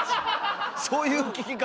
そういう聞き方？